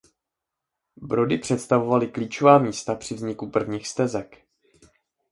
Brody představovaly klíčová místa při vzniku prvních stezek.